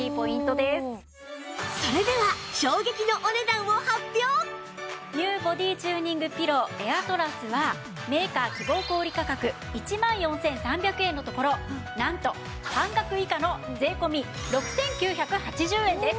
それでは ＮＥＷ ボディチューニングピローエアトラスはメーカー希望小売価格１万４３００円のところなんと半額以下の税込６９８０円です。